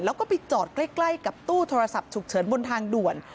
แล้วก็ไปจอดใกล้กับตู้โทรศัพท์ฉุกเฉินบนทางด่วน